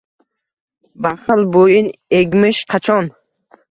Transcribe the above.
Baxil bo’yin egmish qachon